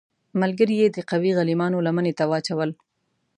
ملګري یې د قوي غلیمانو لمنې ته واچول.